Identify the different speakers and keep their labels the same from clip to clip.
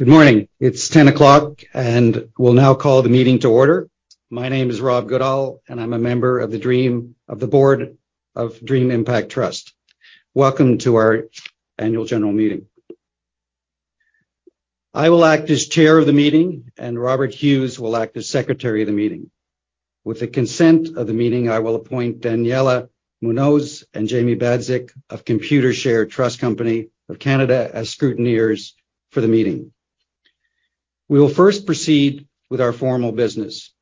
Speaker 1: Good morning. It's 10:00, we'll now call the meeting to order. My name is Rob Goodall, I'm a member of the board of Dream Impact Trust. Welcome to our annual general meeting. I will act as Chair of the meeting, Robert Hughes will act as secretary of the meeting. With the consent of the meeting, I will appoint Daniela Munoz and Jamie Badyk of Computershare Trust Company of Canada as scrutineers for the meeting. We will first proceed with our formal business.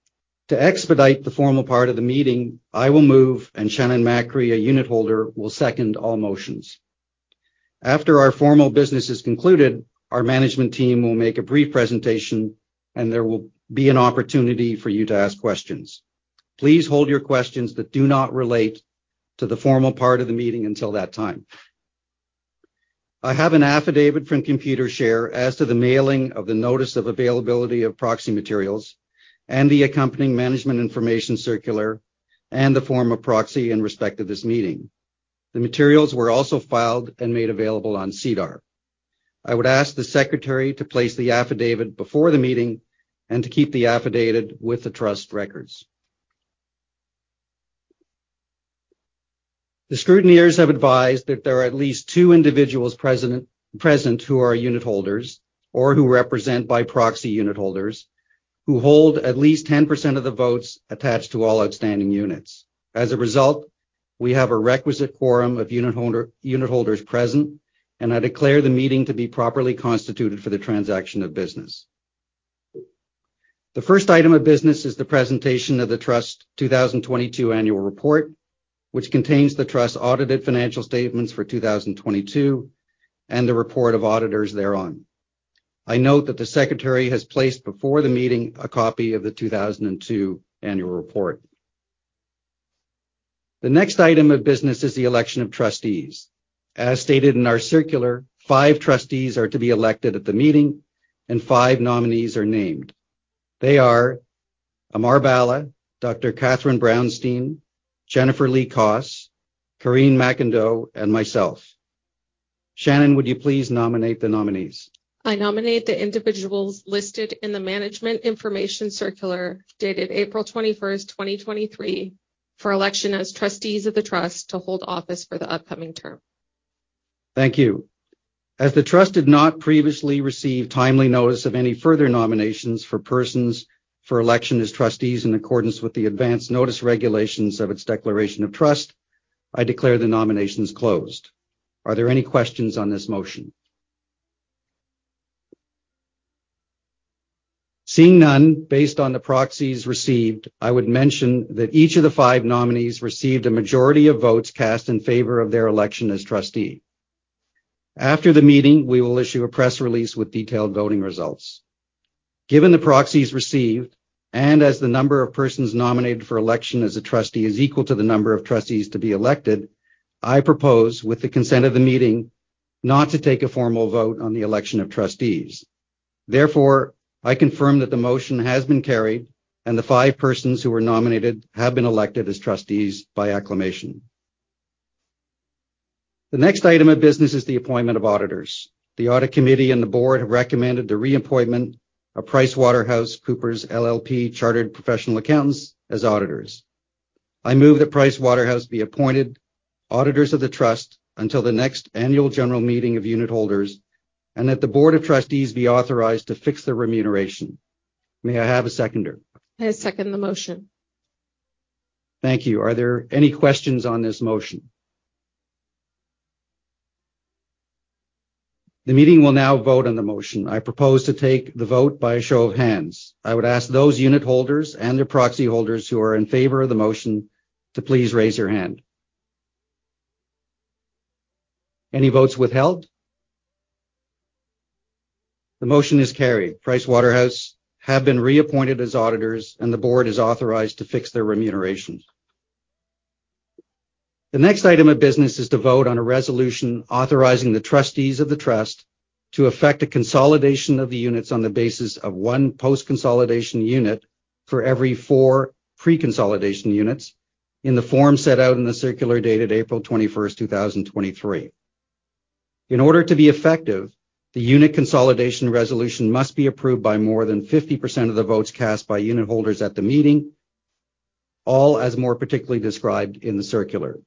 Speaker 1: To expedite the formal part of the meeting, I will move, Shannon Macri, a unitholder, will second all motions. After our formal business is concluded, our management team will make a brief presentation, there will be an opportunity for you to ask questions. Please hold your questions that do not relate to the formal part of the meeting until that time. I have an affidavit from Computershare as to the mailing of the notice of availability of proxy materials and the accompanying management information circular and the form of proxy in respect to this meeting. The materials were also filed and made available on SEDAR. I would ask the secretary to place the affidavit before the meeting and to keep the affidavit with the trust records. The scrutineers have advised that there are at least two individuals present who are unitholders or who represent by proxy unitholders who hold at least 10% of the votes attached to all outstanding units. As a result, we have a requisite quorum of unitholders present, and I declare the meeting to be properly constituted for the transaction of business. The first item of business is the presentation of the Trust's 2022 annual report, which contains the Trust's audited financial statements for 2022 and the report of auditors thereon. I note that the secretary has placed before the meeting a copy of the 2002 annual report. The next item of business is the election of trustees. As stated in our circular, five trustees are to be elected at the meeting, and five nominees are named. They are Amar Bhalla, Dr. Catherine Brownstein, Jennifer Lee Koss, Karine MacIndoe, and myself. Shannon, would you please nominate the nominees?
Speaker 2: I nominate the individuals listed in the management information circular, dated April 21st, 2023, for election as trustees of the trust to hold office for the upcoming term.
Speaker 1: Thank you. As the trust did not previously receive timely notice of any further nominations for persons for election as trustees in accordance with the advance notice regulations of its declaration of trust, I declare the nominations closed. Are there any questions on this motion? Seeing none, based on the proxies received, I would mention that each of the five nominees received a majority of votes cast in favor of their election as trustee. After the meeting, we will issue a press release with detailed voting results. Given the proxies received, and as the number of persons nominated for election as a trustee is equal to the number of trustees to be elected, I propose, with the consent of the meeting, not to take a formal vote on the election of trustees. I confirm that the motion has been carried, and the five persons who were nominated have been elected as trustees by acclamation. The next item of business is the appointment of auditors. The audit committee and the board have recommended the reappointment of PricewaterhouseCoopers LLP, Chartered Professional Accountants as auditors. I move that Pricewaterhouse be appointed auditors of the Trust until the next annual general meeting of unitholders and that the Board of Trustees be authorized to fix their remuneration. May I have a seconder?
Speaker 2: I second the motion.
Speaker 1: Thank you. Are there any questions on this motion? The meeting will now vote on the motion. I propose to take the vote by a show of hands. I would ask those unitholders and their proxy holders who are in favor of the motion to please raise your hand. Any votes withheld? The motion is carried. Pricewaterhouse have been reappointed as auditors, and the board is authorized to fix their remunerations. The next item of business is to vote on a resolution authorizing the trustees of the trust to effect a consolidation of the units on the basis of 1 post-consolidation unit for every four pre-consolidation units in the form set out in the circular dated April twenty-first, two thousand and twenty-three. In order to be effective, the unit consolidation resolution must be approved by more than 50% of the votes cast by unitholders at the meeting, all as more particularly described in the circular.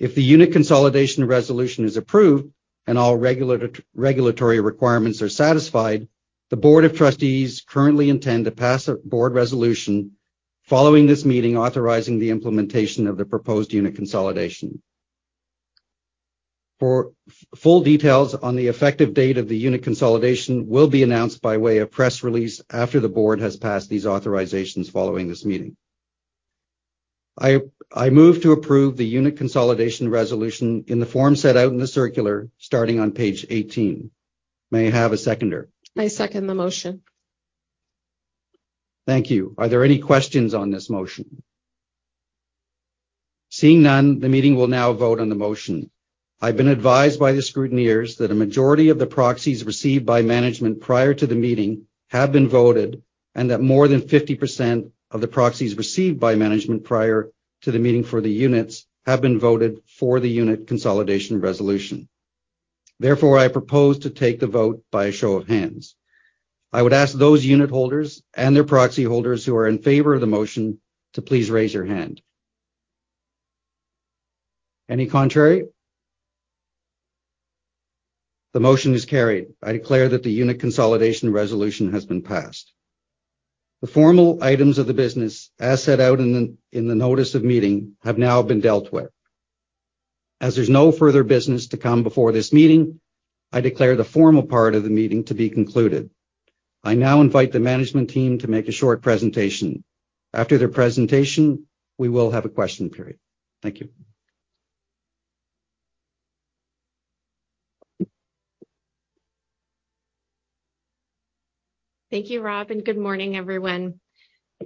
Speaker 1: If the unit consolidation resolution is approved and all regulatory requirements are satisfied, the Board of Trustees currently intend to pass a board resolution following this meeting, authorizing the implementation of the proposed unit consolidation. Full details on the effective date of the unit consolidation will be announced by way of press release after the board has passed these authorizations following this meeting. I move to approve the unit consolidation resolution in the form set out in the circular starting on page 18. May I have a seconder?
Speaker 2: I second the motion.
Speaker 1: Thank you. Are there any questions on this motion? Seeing none, the meeting will now vote on the motion. I've been advised by the scrutineers that a majority of the proxies received by management prior to the meeting have been voted, and that more than 50% of the proxies received by management prior to the meeting for the units have been voted for the unit consolidation resolution. I propose to take the vote by a show of hands. I would ask those unitholders and their proxy holders who are in favor of the motion to please raise your hand. Any contrary? The motion is carried. I declare that the unit consolidation resolution has been passed. The formal items of the business, as set out in the notice of meeting, have now been dealt with. As there's no further business to come before this meeting, I declare the formal part of the meeting to be concluded. I now invite the management team to make a short presentation. After their presentation, we will have a question period. Thank you.
Speaker 3: Thank you, Rob, and good morning, everyone.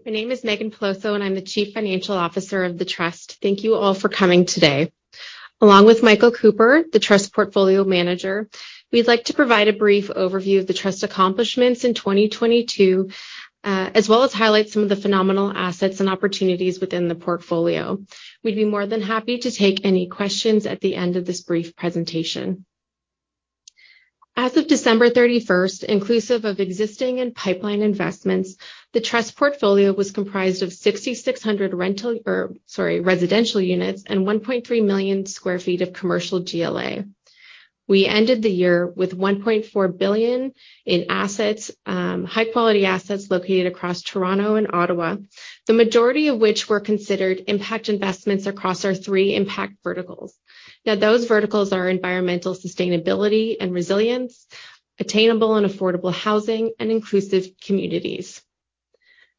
Speaker 3: My name is Meaghan Peloso, and I'm the Chief Financial Officer of the Trust. Thank you all for coming today. Along with Michael Cooper, the Trust Portfolio Manager, we'd like to provide a brief overview of the Trust's accomplishments in 2022, as well as highlight some of the phenomenal assets and opportunities within the portfolio. We'd be more than happy to take any questions at the end of this brief presentation. As of December 31st, inclusive of existing and pipeline investments, the Trust portfolio was comprised of 6,600 residential units and 1.3 million sq ft of commercial GLA. We ended the year with 1.4 billion in assets, high quality assets located across Toronto and Ottawa, the majority of which were considered impact investments across our three impact verticals. Those verticals are environmental sustainability and resilience, attainable and affordable housing, and inclusive communities.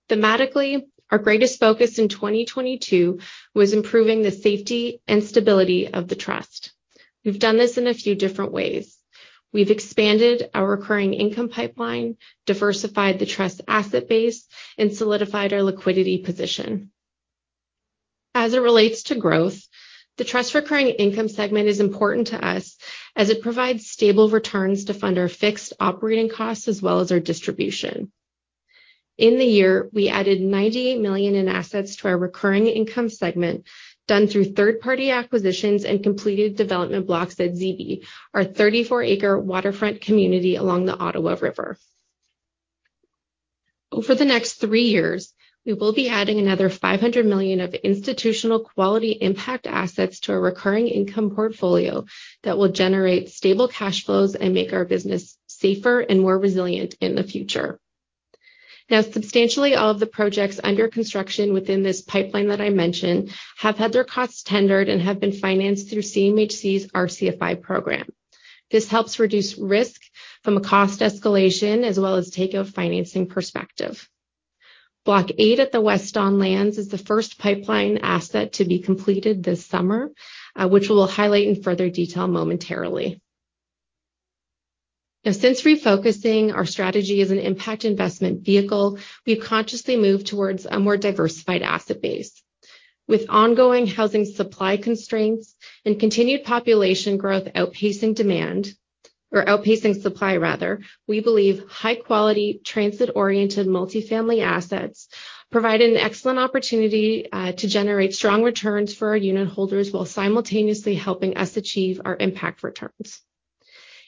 Speaker 3: Thematically, our greatest focus in 2022 was improving the safety and stability of the Trust. We've done this in a few different ways. We've expanded our recurring income pipeline, diversified the Trust asset base, and solidified our liquidity position. As it relates to growth, the Trust recurring income segment is important to us as it provides stable returns to fund our fixed operating costs as well as our distribution. In the year, we added 98 million in assets to our recurring income segment, done through third-party acquisitions and completed development blocks at Zibi, our 34 acre waterfront community along the Ottawa River. Over the next three years, we will be adding another 500 million of institutional quality impact assets to our recurring income portfolio that will generate stable cash flows and make our business safer and more resilient in the future. Substantially, all of the projects under construction within this pipeline that I mentioned, have had their costs tendered and have been financed through CMHC's RCFI program. This helps reduce risk from a cost escalation as well as take a financing perspective. Block 8 at the West Don Lands is the first pipeline asset to be completed this summer, which we'll highlight in further detail momentarily. Since refocusing our strategy as an impact investment vehicle, we've consciously moved towards a more diversified asset base. With ongoing housing supply constraints and continued population growth outpacing demand or outpacing supply rather, we believe high quality, transit-oriented multifamily assets provide an excellent opportunity to generate strong returns for our unitholders while simultaneously helping us achieve our impact returns.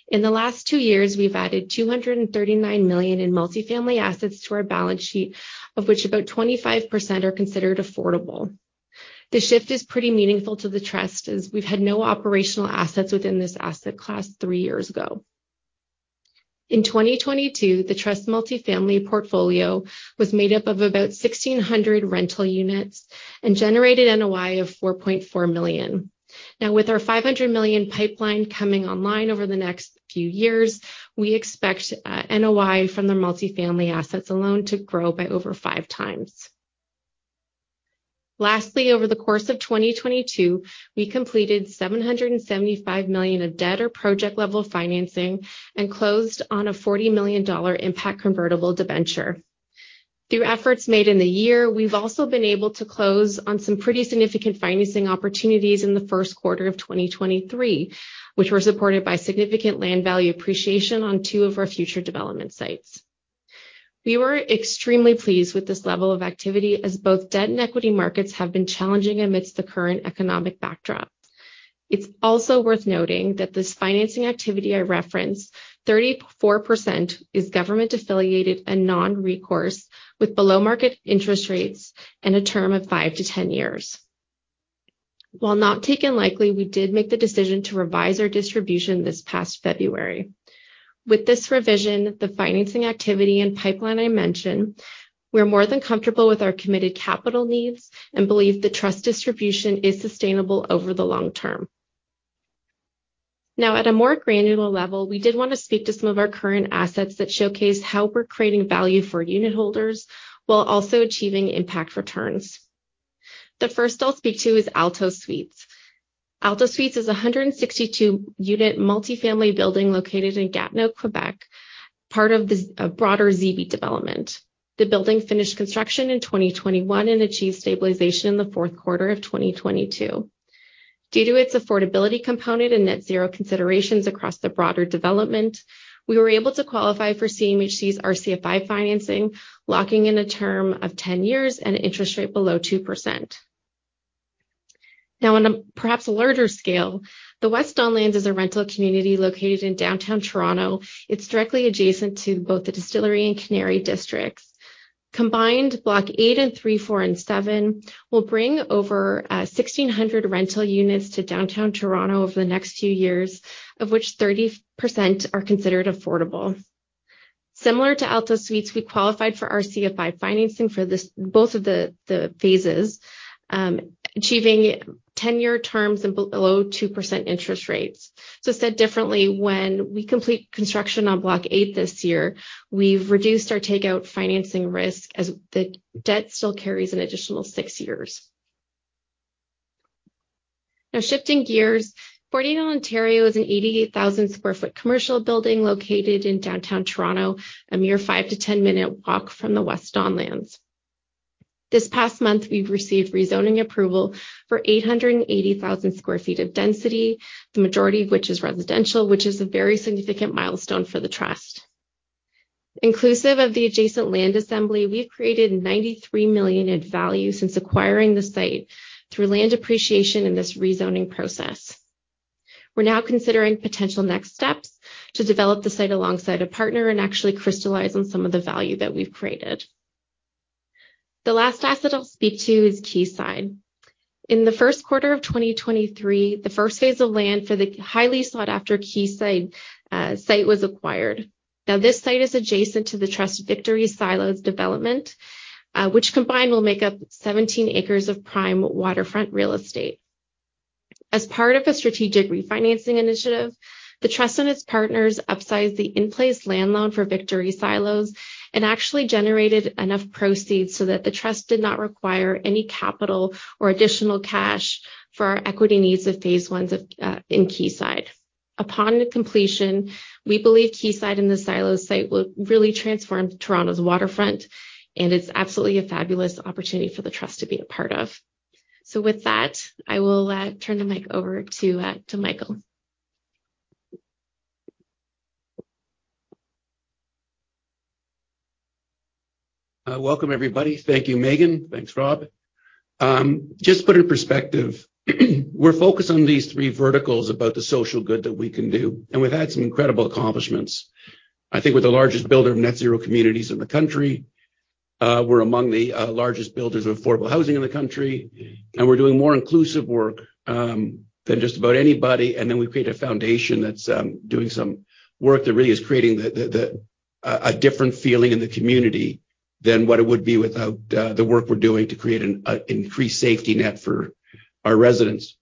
Speaker 3: In the last two years, we've added 239 million in multifamily assets to our balance sheet, of which about 25% are considered affordable. The shift is pretty meaningful to the Trust as we've had no operational assets within this asset class three years ago. In 2022, the Trust multifamily portfolio was made up of about 1,600 rental units and generated NOI of 4.4 million. Now, with our 500 million pipeline coming online over the next few years, we expect NOI from the multifamily assets alone to grow by over five times. Lastly, over the course of 2022, we completed 775 million of debt or project-level financing and closed on a 40 million dollar convertible impact debenture. Through efforts made in the year, we've also been able to close on some pretty significant financing opportunities in the first quarter of 2023, which were supported by significant land value appreciation on two of our future development sites. We were extremely pleased with this level of activity as both debt and equity markets have been challenging amidst the current economic backdrop. It's also worth noting that this financing activity I referenced, 34% is government-affiliated and non-recourse, with below-market interest rates and a term of 5 years-10 years. While not taken likely, we did make the decision to revise our distribution this past February. With this revision, the financing activity and pipeline I mentioned, we're more than comfortable with our committed capital needs and believe the Trust distribution is sustainable over the long term. At a more granular level, we did want to speak to some of our current assets that showcase how we're creating value for unitholders while also achieving impact returns. The first I'll speak to is Aalto Suites. Aalto Suites is a 162-unit multifamily building located in Gatineau, Quebec, part of the broader Zibi development. The building finished construction in 2021 and achieved stabilization in the fourth quarter of 2022. Due to its affordability component and net zero considerations across the broader development, we were able to qualify for CMHC's RCFI financing, locking in a term of 10 years and an interest rate below 2%. On a perhaps larger scale, the West Don Lands is a rental community located in downtown Toronto. It's directly adjacent to both the Distillery and Canary districts. Combined, Block 8 and 3, 4, and 7 will bring over 1,600 rental units to downtown Toronto over the next few years, of which 30% are considered affordable. Similar to Aalto Suites, we qualified for RCFI financing for this, both of the phases, achieving 10-year terms and below 2% interest rates. Said differently, when we complete construction on Block 8 this year, we've reduced our takeout financing risk as the debt still carries an additional six years. Shifting gears, 49 Ontario is an 88,000 sq ft commercial building located in downtown Toronto, a mere 5-10 minute walk from the West Don Lands. This past month, we've received rezoning approval for 880,000 sq ft of density, the majority of which is residential, which is a very significant milestone for the trust. Inclusive of the adjacent land assembly, we've created 93 million in value since acquiring the site through land appreciation in this rezoning process. We're now considering potential next steps to develop the site alongside a partner and actually crystallize on some of the value that we've created. The last asset I'll speak to is Quayside. In the first quarter of 2023, the first phase of land for the highly sought-after Quayside site was acquired. Now, this site is adjacent to the trust Victory Silos development, which combined will make up 17 acres of prime waterfront real estate. As part of a strategic refinancing initiative, the trust and its partners upsized the in-place land loan for Victory Silos and actually generated enough proceeds so that the trust did not require any capital or additional cash for our equity needs of phase one of in Quayside. Upon completion, we believe Quayside and the Silos site will really transform Toronto's waterfront, and it's absolutely a fabulous opportunity for the trust to be a part of. With that, I will turn the mic over to Michael.
Speaker 4: Welcome, everybody. Thank you, Meaghan. Thanks, Rob. Just to put it in perspective, we're focused on these three verticals about the social good that we can do, we've had some incredible accomplishments. I think we're the largest builder of net zero communities in the country. We're among the largest builders of affordable housing in the country, we're doing more inclusive work than just about anybody. We've created a foundation that's doing some work that really is creating a different feeling in the community than what it would be without the work we're doing to create an increased safety net for our residents.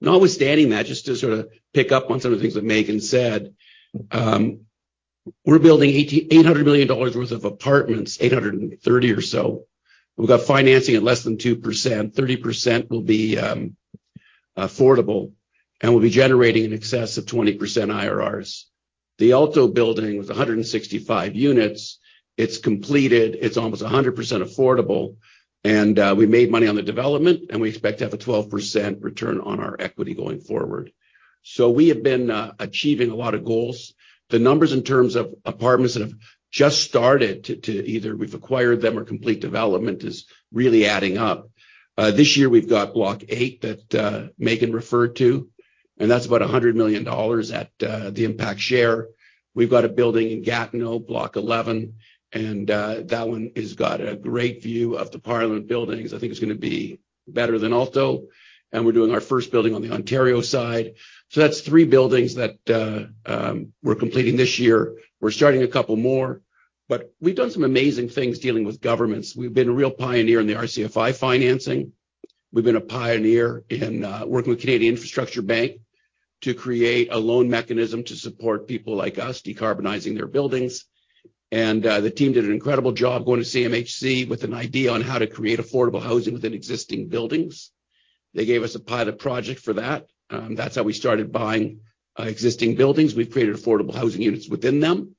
Speaker 4: Notwithstanding that, just to sort of pick up on some of the things that Meaghan said, we're building 800 million dollars worth of apartments, 830 or so. We've got financing at less than 2%. 30% will be affordable, and we'll be generating in excess of 20% IRRs. The Aalto building, with 165 units, it's completed. It's almost 100% affordable, and we made money on the development, and we expect to have a 12% return on our equity going forward. We have been achieving a lot of goals. The numbers in terms of apartments that have just started to either we've acquired them or complete development is really adding up. This year we've got Block 8 that Meaghan referred to. That's about 100 million dollars at the impact share. We've got a building in Gatineau, Block 11. That one has got a great view of the parliament buildings. I think it's gonna be better than Aalto, we're doing our first building on the Ontario side. That's three buildings that we're completing this year. We're starting a couple more, we've done some amazing things dealing with governments. We've been a real pioneer in the RCFI financing. We've been a pioneer in working with Canada Infrastructure Bank to create a loan mechanism to support people like us, decarbonizing their buildings. The team did an incredible job going to CMHC with an idea on how to create affordable housing within existing buildings. They gave us a pilot project for that. That's how we started buying existing buildings. We've created affordable housing units within them,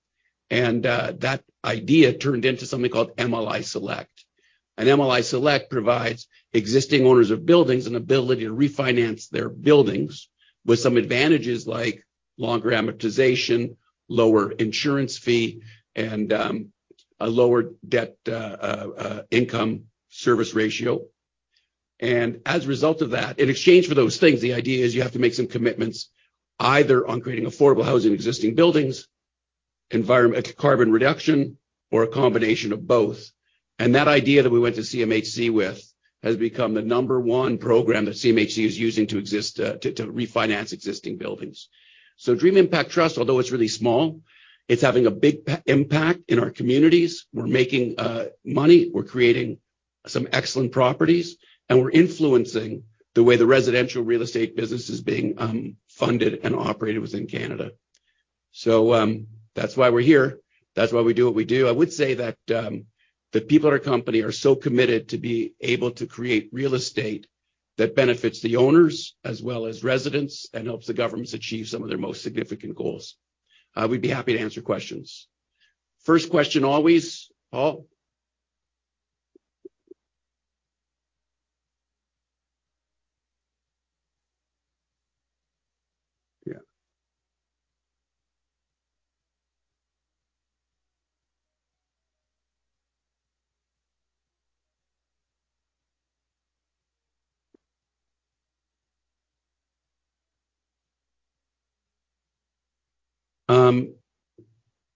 Speaker 4: and that idea turned into something called MLI Select. MLI Select provides existing owners of buildings an ability to refinance their buildings with some advantages like longer amortization, lower insurance fee, and a lower debt income service ratio. As a result of that, in exchange for those things, the idea is you have to make some commitments, either on creating affordable housing in existing buildings, environment, carbon reduction, or a combination of both. That idea that we went to CMHC with has become the number one program that CMHC is using to refinance existing buildings. Dream Impact Trust, although it's really small, it's having a big impact in our communities. We're making money, we're creating some excellent properties, and we're influencing the way the residential real estate business is being funded and operated within Canada. That's why we're here. That's why we do what we do. I would say that the people at our company are so committed to be able to create real estate that benefits the owners as well as residents and helps the governments achieve some of their most significant goals. We'd be happy to answer questions. First question always. Paul?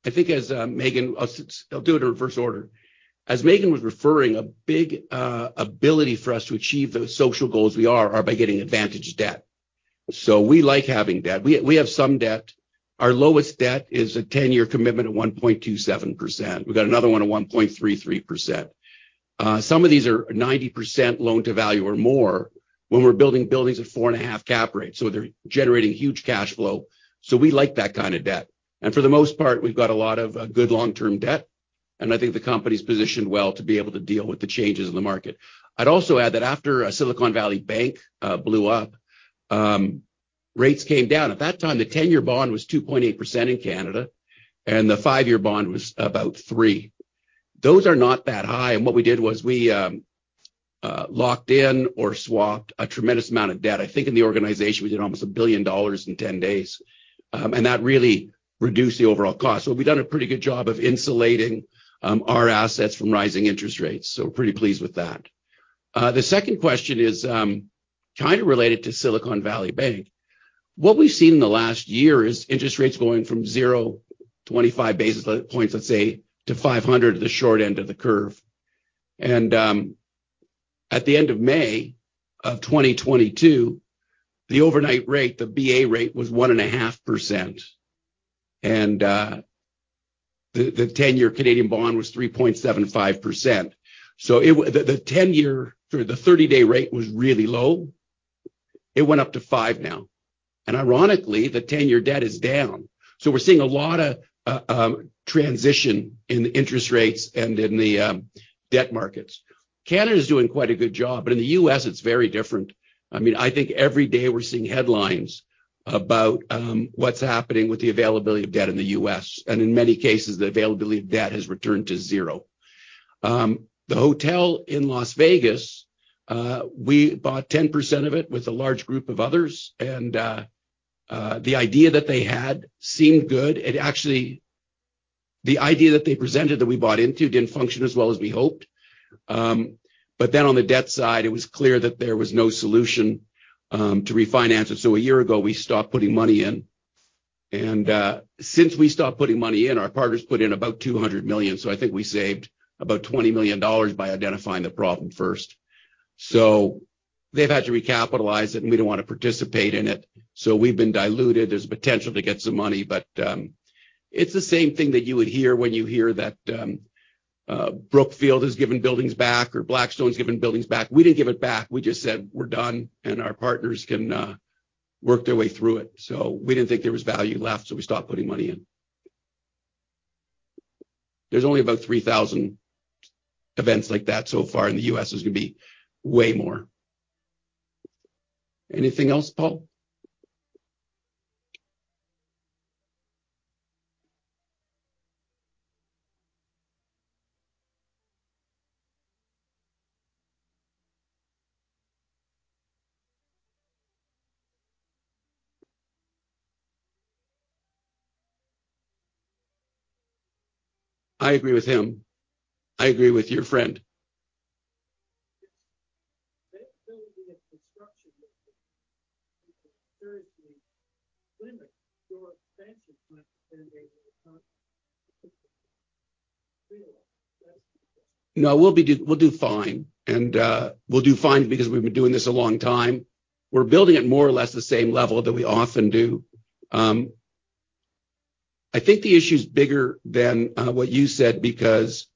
Speaker 4: I think as Meaghan, I'll do it in reverse order. As Meaghan was referring, a big ability for us to achieve the social goals we are by getting advantage debt. We like having debt. We have some debt. Our lowest debt is a 10-year commitment at 1.27%. We've got another one at 1.33%. Some of these are 90% loan to value or more when we're building buildings at 4.5 cap rate, so they're generating huge cash flow. We like that kind of debt, and for the most part, we've got a lot of good long-term debt, and I think the company's positioned well to be able to deal with the changes in the market. I'd also add that after Silicon Valley Bank blew up, rates came down. At that time, the 10-year bond was 2.8% in Canada, and the five year bond was about 3%. Those are not that high, what we did was we locked in or swapped a tremendous amount of debt. I think in the organization, we did almost 1 billion dollars in 10 days, and that really reduced the overall cost. We've done a pretty good job of insulating our assets from rising interest rates, so pretty pleased with that. The second question is kind of related to Silicon Valley Bank. What we've seen in the last year is interest rates going from 0-25 basis points, let's say, to 500, the short end of the curve. At the end of May 2022, the overnight rate, the BA rate, was 1.5%, and the 10-year Canadian bond was 3.75%. The 10-year or the 30-day rate was really low. It went up to five now, and ironically, the 10-year debt is down. We're seeing a lot of transition in the interest rates and in the debt markets. Canada's doing quite a good job, but in the U.S., it's very different. I mean, I think every day we're seeing headlines about what's happening with the availability of debt in the U.S., and in many cases, the availability of debt has returned to zero. The hotel in Las Vegas, we bought 10% of it with a large group of others, and the idea that they had seemed good. Actually, the idea that they presented, that we bought into, didn't function as well as we hoped. On the debt side, it was clear that there was no solution to refinance it. A year ago, we stopped putting money in. Since we stopped putting money in, our partners put in about 200 million. I think we saved about 20 million dollars by identifying the problem first. They've had to recapitalize it. We don't want to participate in it. We've been diluted. There's potential to get some money. It's the same thing that you would hear when you hear that Brookfield has given buildings back or Blackstone given buildings back. We didn't give it back. We just said, "We're done, and our partners can work their way through it." We didn't think there was value left. We stopped putting money in. There's only about 3,000 events like that so far. In the U.S. there's going to be way more. Anything else, Paul? I agree with him. I agree with your friend.
Speaker 1: Yes. There will be a construction that seriously limit your expansion plan in Asia.
Speaker 4: No, we'll do fine because we've been doing this a long time. We're building at more or less the same level that we often do. I think the issue is bigger than what you said because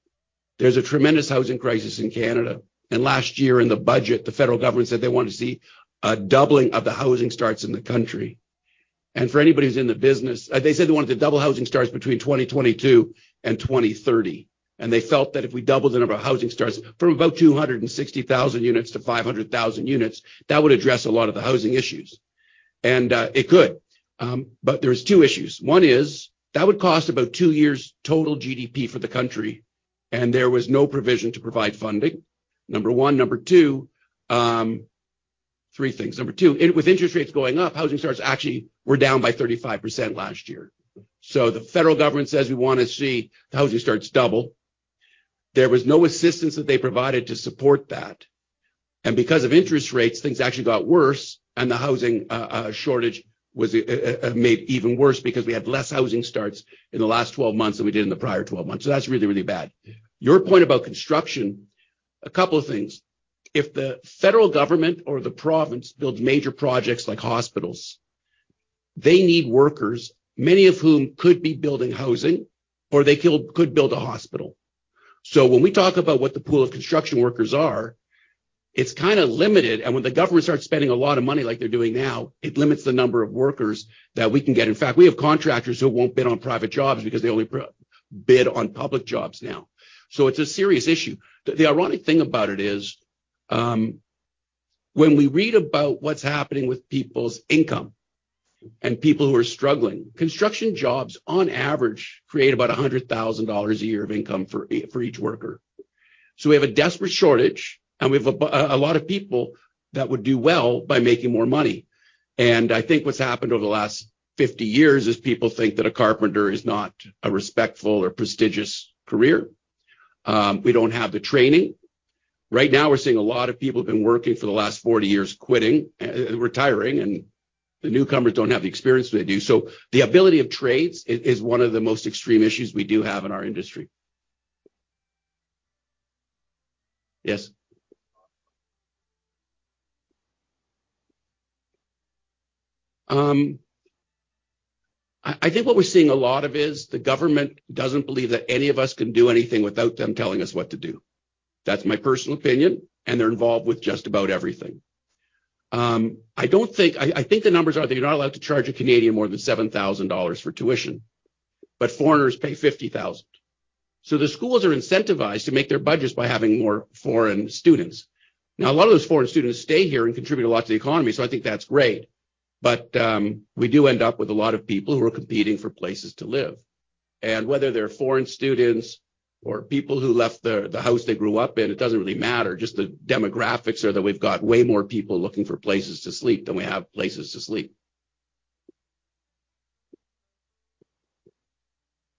Speaker 4: there's a tremendous housing crisis in Canada. Last year in the budget, the federal government said they wanted to see a doubling of the housing starts in the country. For anybody who's in the business, they said they wanted to double housing starts between 2022 and 2030. They felt that if we doubled the number of housing starts from about 260,000 units to 500,000 units, that would address a lot of the housing issues. It could, but there was two issues. One is, that would cost about two years' total GDP for the country, and there was no provision to provide funding, number one. Number two, three things. Number two, with interest rates going up, housing starts actually were down by 35% last year. The federal government says, "We wanna see the housing starts double." There was no assistance that they provided to support that, and because of interest rates, things actually got worse, and the housing shortage was made even worse because we had less housing starts in the last 12 months than we did in the prior 12 months. That's really, really bad. Your point about construction, a couple of things. If the federal government or the province builds major projects like hospitals, they need workers, many of whom could be building housing, or they could build a hospital. When we talk about what the pool of construction workers are, it's kind of limited, and when the government starts spending a lot of money like they're doing now, it limits the number of workers that we can get. In fact, we have contractors who won't bid on private jobs because they only bid on public jobs now. It's a serious issue. The, the ironic thing about it is, When we read about what's happening with people's income and people who are struggling, construction jobs, on average, create about 100,000 dollars a year of income for each worker. We have a desperate shortage, we have a lot of people that would do well by making more money. I think what's happened over the last 50 years is people think that a carpenter is not a respectful or prestigious career. We don't have the training. Right now, we're seeing a lot of people who've been working for the last 40 years, quitting, retiring, and the newcomers don't have the experience they do. The ability of trades is one of the most extreme issues we do have in our industry. Yes? I think what we're seeing a lot of is the government doesn't believe that any of us can do anything without them telling us what to do. That's my personal opinion, they're involved with just about everything. I think the numbers are that you're not allowed to charge a Canadian more than 7,000 dollars for tuition, but foreigners pay 50,000. The schools are incentivized to make their budgets by having more foreign students. A lot of those foreign students stay here and contribute a lot to the economy, so I think that's great. We do end up with a lot of people who are competing for places to live. Whether they're foreign students or people who left their, the house they grew up in, it doesn't really matter, just the demographics are that we've got way more people looking for places to sleep than we have places to sleep.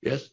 Speaker 4: Yes?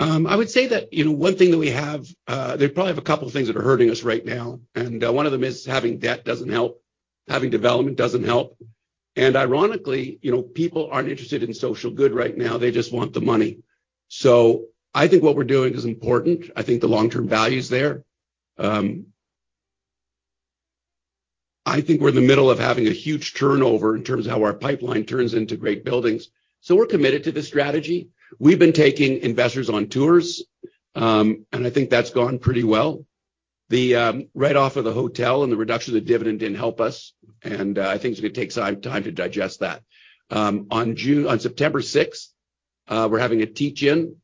Speaker 4: I would say that, you know, one thing that we have, there probably have a couple of things that are hurting us right now, one of them is having debt doesn't help, having development doesn't help. Ironically, you know, people aren't interested in social good right now. They just want the money. I think what we're doing is important. I think the long-term value is there. I think we're in the middle of having a huge turnover in terms of how our pipeline turns into great buildings. We're committed to this strategy. We've been taking investors on tours, I think that's gone pretty well. The write-off of the hotel and the reduction of the dividend didn't help us, I think it's going to take some time to digest that. On June... On September 6th, we're having a teach-in,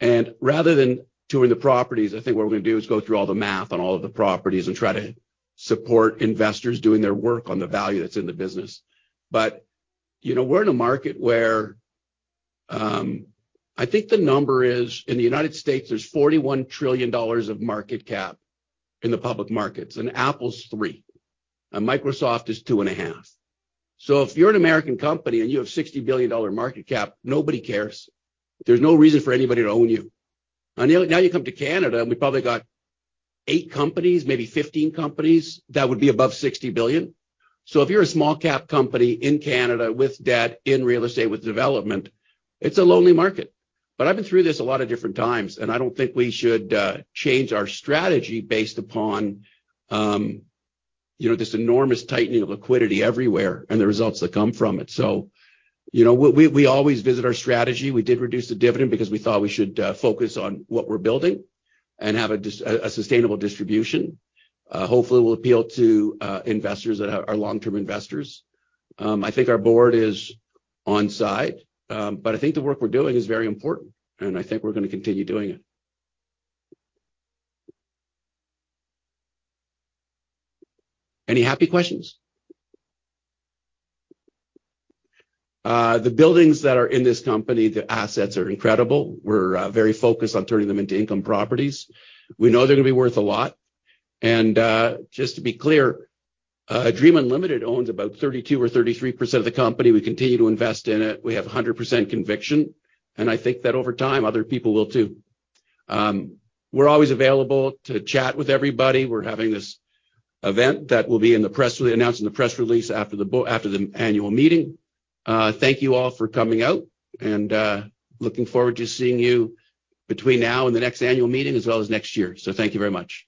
Speaker 4: and rather than touring the properties, I think what we're going to do is go through all the math on all of the properties and try to support investors doing their work on the value that's in the business. You know, we're in a market where, I think the number is, in the United States, there's $41 trillion of market cap in the public markets, and Apple's $3 trillion, and Microsoft is $2.5 trillion. If you're an American company and you have $60 billion market cap, nobody cares. There's no reason for anybody to own you. Now you come to Canada, and we probably got eight companies, maybe 15 companies that would be above $60 billion. If you're a small cap company in Canada with debt in real estate, with development, it's a lonely market. I've been through this a lot of different times, and I don't think we should change our strategy based upon, you know, this enormous tightening of liquidity everywhere and the results that come from it. You know, we always visit our strategy. We did reduce the dividend because we thought we should focus on what we're building and have a sustainable distribution. Hopefully, it will appeal to investors that are long-term investors. I think our board is on side, but I think the work we're doing is very important, and I think we're going to continue doing it. Any happy questions? The buildings that are in this company, the assets are incredible. We're very focused on turning them into income properties. We know they're going to be worth a lot, and just to be clear, Dream Unlimited owns about 32% or 33% of the company. We continue to invest in it. We have 100% conviction, and I think that over time, other people will, too. We're always available to chat with everybody. We're having this event that will be in the press release, announced in the press release after the annual meeting. Thank you all for coming out, and looking forward to seeing you between now and the next annual meeting as well as next year. Thank you very much.